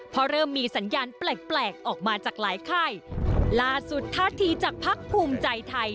เพราะเริ่มมีสัญญาณแปลกแปลกออกมาจากหลายค่ายล่าสุดท่าทีจากพักภูมิใจไทย